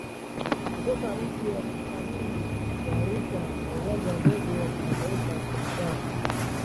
kutoka mji wa kitalii wa Arusha na Uwanja wa Ndege wa Kimataifa wa Kilimanjaro